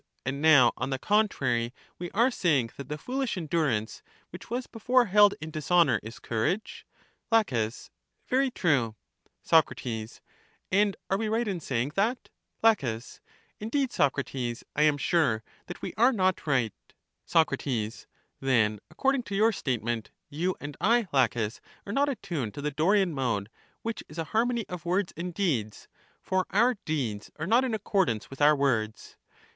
And now on the contrary we are saying that the foolish endurance, which was before held in dis honor, is courage. La, Very true. 108 LACHES Soc, And are we right in saying that? La. Indeed, Socrates, I am sure that we are not right. Soc, Then according to your statement, you and I, Laches, are not attuned to the Dorian mode, which is a harmony of words and deeds; for our deeds are not in accordance with our words.